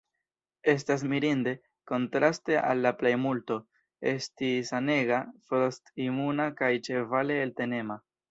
Estas mirinde, kontraste al la plejmulto, esti sanega, frost-imuna kaj ĉevale eltenema.